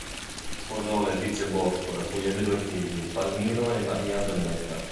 Sposò Letizia Bosco da cui ebbe due figli, Palmiro e Maria Antonietta.